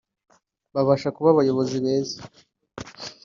babasha kuba abayobozi beza